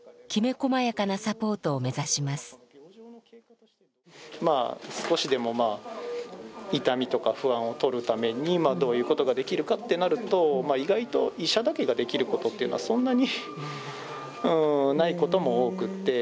まあ少しでもまあ痛みとか不安を取るためにどういうことができるかってなると意外と医者だけができることっていうのはそんなにうんないことも多くって。